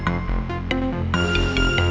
kenapa kan mereka keluar